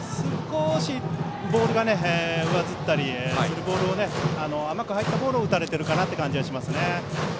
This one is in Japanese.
少し上ずったりするボールを甘く入ったボールを打たれている感じがしますね。